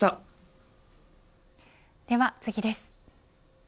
では次です。